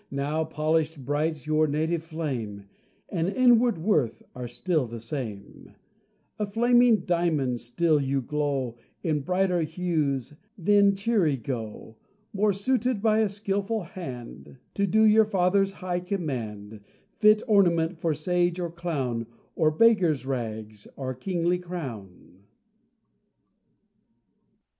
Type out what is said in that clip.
Now polished bright, your native flame And inward worth are still the same; A flaming diamond still you glow, In brighter hues: then cheery go More suited by a skilful hand To do your father's high command: Fit ornament for sage or clown, Or beggar's rags, or kingly crown.